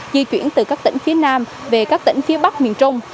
di chuyển từ các tỉnh phía nam về các tỉnh phía bắc miền trung